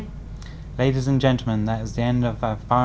chúng tôi rất mong nhận được sự góp ý và trao đổi của quý vị khán giả